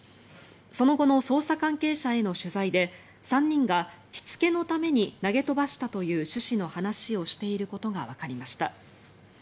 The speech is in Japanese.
その後の捜査関係者への取材で３人がしつけのために投げ飛ばしたという趣旨の話をしていることがわかりました。